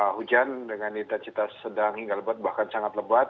hujan dengan intensitas sedang hingga lebat bahkan sangat lebat